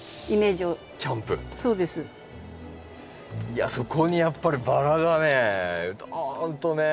いやそこにやっぱりバラがねドーンとね。